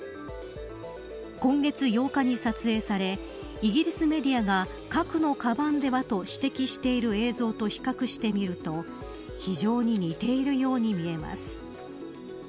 今月８日に撮影されイギリスメディアが核のカバンではと指摘している映像と比較してみると非常に似ているように見えます。